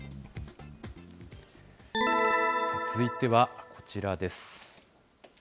続いてはこちらです。